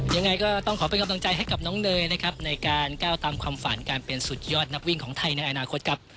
ยังไงก็ต้องขอเป็นกำลังใจให้กับน้องเนยนะครับในการก้าวตามความฝันการเป็นสุดยอดนักวิ่งของไทยในอนาคตครับ